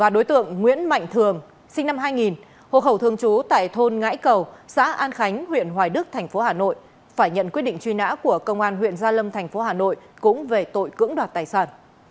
đối tượng nguyễn mạnh thường sinh năm hai nghìn hộ khẩu thương chú tại thôn ngãi cầu xã an khánh huyện hoài đức thành phố hà nội phải nhận quyết định truy nã của công an huyện gia lâm thành phố hà nội cũng về tội cưỡng đoạt tài sản